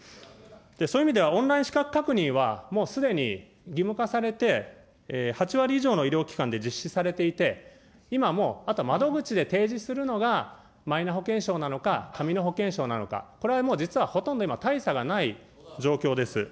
そういう意味ではオンライン資格確認は、もうすでに義務化されて、８割以上の医療機関で実施されていて、今、もう、あと窓口で提示するのが、マイナ保険証なのか、紙の保険証なのか、これはもう実はほとんど大差がない状況です。